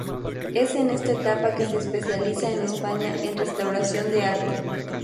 Es en esta etapa que se especializa en España en restauración de arte.